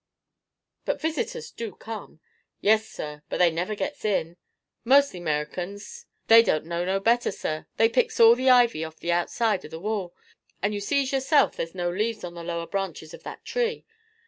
"But visitors do come?" "Yes, sir; but they never gets in. Mostly 'mer'cans; they don't know no better, sir. They picks all the ivy orf the outside of the wall, and you sees yourself there's no leaves on the lower branches of that tree.